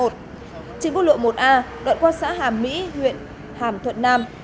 trên quốc lộ một a đoạn qua xã hàm mỹ huyện hàm thuận nam